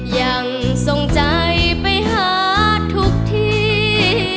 ยังทรงใจไปหาทุกที